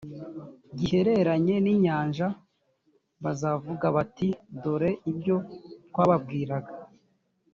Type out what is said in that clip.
gihereranye n’inyanja bazavuga bati dore ibyo twababwiraga